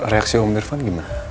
reaksi om irfan gimana